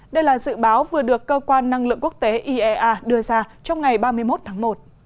đây là dự báo vừa được cơ quan năng lượng quốc tế iea đưa ra trong ngày ba mươi một tháng một